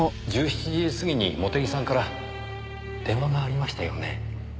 １７時過ぎに茂手木さんから電話がありましたよね？